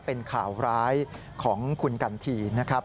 เป็นข่าวร้ายของคุณกันทีนะครับ